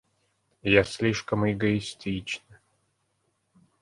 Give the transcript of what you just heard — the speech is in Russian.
Я слишком эгоистична.